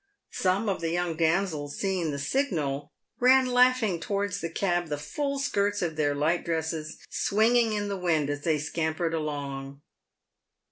Some of the young damsels, seeing the signal, ran laughing to wards the cab, the full skirts of their light dresses swinging in the wind as they scampered along.